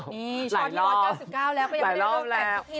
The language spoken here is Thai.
นี่ชอบที่๑๙๙แล้วก็ยังไม่ได้รอบแต่ทุกที